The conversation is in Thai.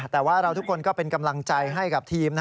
แต่ว่าเราทุกคนก็เป็นกำลังใจให้กับทีม